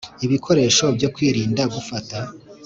ibikoresho byo kwirinda gufata